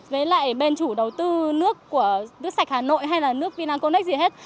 với lại bên chủ đầu tư nước của nước sạch hà nội hay là nước vinaconex gì hết